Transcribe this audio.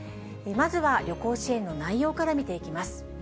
まずは旅行支援の内容から見ていきます。